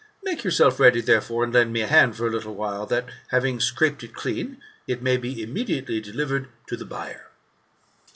Make yourself ready, therefore, and lend me a hand, for a little while, that, having scraped it clean, it may be imme diately delivered to the buyer."